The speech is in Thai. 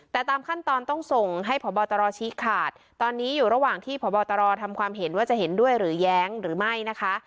แต่ตามขั้นตอนต้องส่งให้พบตรชี้ขาดตอนนี้อยู่ระหว่างที่พบตรทำความเห็นว่าจะเห็นด้วยหรือแย้งหรือไม่นะคะ